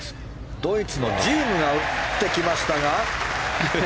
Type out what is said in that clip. ドイツのジームが打ってきましたが。